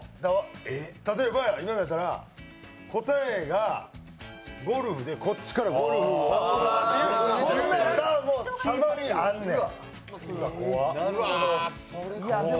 例えば、今やったら、答えがゴルフでこっちからゴルフっていうのはあんねん。